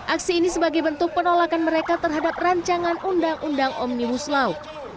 aksi ini sebagai bentuk penolakan mereka terhadap rancangan undang undang omnibus law